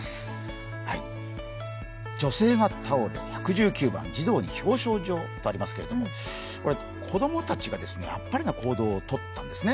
女性が倒れ、１１９番、児童に表彰状とありますけれども、子供たちがあっぱれな行動をとったんですね。